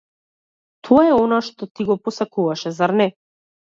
Тоа е она што ти го посакуваше, зар не?